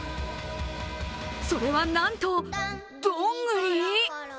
それはなんと、どんぐり？！